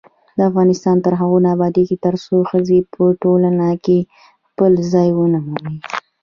افغانستان تر هغو نه ابادیږي، ترڅو ښځې په ټولنه کې خپل ځای ونه مومي.